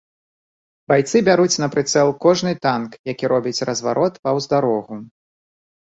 Байцы бяруць на прыцэл кожны танк, які робіць разварот паўз дарогу.